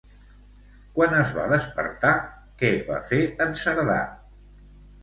Quan es va despertar, què va fer en Cerdà?